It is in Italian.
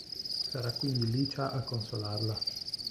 Sarà quindi Licia a consolarla.